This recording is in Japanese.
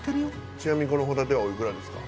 ちなみにこのホタテはおいくらですか？